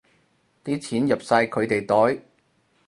啲錢入晒佢哋袋